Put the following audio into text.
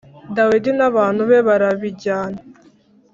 Dawidi n’abantu be barabijyana.